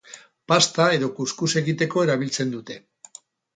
Pasta edo kus-kus egiteko erabiltzen dute.